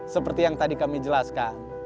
seperti yang tadi kami jelaskan